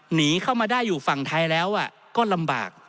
หนีเข้ามาได้อยู่ฝั่งไทยแล้วก็ลำบาก